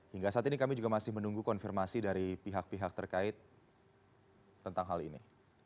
hingga saat ini kami juga masih menunggu konfirmasi dari pihak pihak terkait tentang hal ini